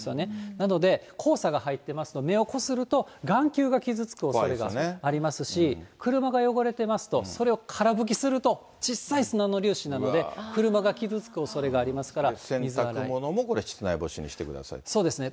なので、黄砂が入ってますと目をこすると、眼球が傷つくおそれがありますし、車が汚れてますと、それをから拭きすると、ちっさい砂の粒子などで車が傷つくおそれ洗濯物もこれ、そうですね。